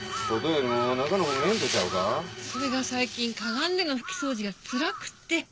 それが最近かがんでの拭き掃除がつらくって。